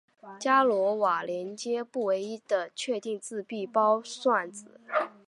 伽罗瓦连接不唯一的确定自闭包算子。